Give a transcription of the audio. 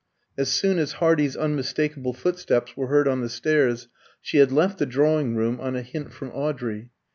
As soon as Hardy's unmistakable footsteps were heard on the stairs, she had left the drawing room on a hint from Audrey.